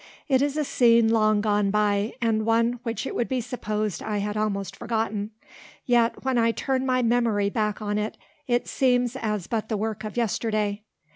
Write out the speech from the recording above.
It is a scene long gone by, and one which it would be supposed I had almost forgotten; yet when I turn my memory back on it, it seems as but the work of yesterday.